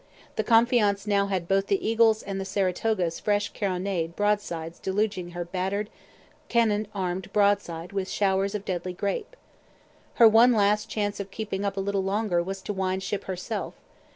The Confiance now had both the Eagle's and the Saratoga's fresh carronade broadsides deluging her battered, cannon armed broadside with showers of deadly grape. Her one last chance of keeping up a little longer was to wind ship herself.